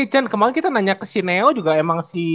eh chen kemaren kita nanya ke si neo juga emang si